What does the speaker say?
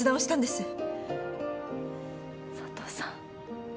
佐都さん。